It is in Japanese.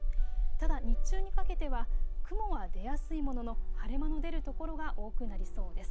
ただ日中にかけては雲は出やすいものの晴れ間の出る所が多くなりそうです。